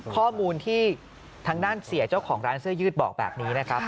ข้อมูลที่ทางด้านเสียเจ้าของร้านเสื้อยืดบอกแบบนี้นะครับ